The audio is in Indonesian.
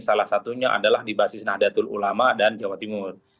salah satunya adalah di basis nahdlatul ulama dan jawa timur